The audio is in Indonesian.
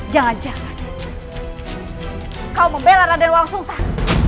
jangan jangan kau membela raden walang sungsat